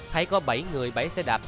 hay có bảy người bẫy xe đạp